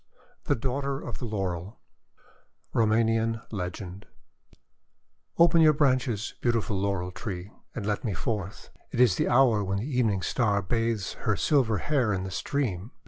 THE DAUGHTER OF THE LAUREL Roumanian Legend "OPEN your branches, beautiful Laurel Tree, and let me forth. It is the hour when the Even ing Star bathes her silver hair in the stream."